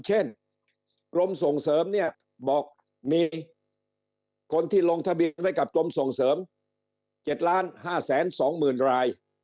เช่นกรมส่งเสริมเนี่ยบอกมีคนที่ลงทะเบียนไว้กับกรมส่งเสริม๗๕๒๐๐๐ราย